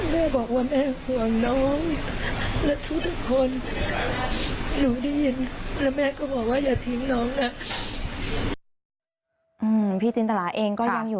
แม่ไม่ต้องห่วงนะคะ